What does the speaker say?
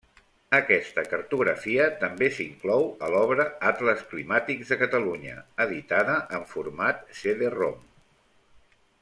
Aquesta cartografia també s’inclou a l’obra Atles Climàtics de Catalunya editada en format cd-rom.